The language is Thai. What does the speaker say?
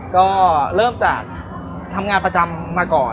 ก็เริ่มจากทำงานประจำมาก่อน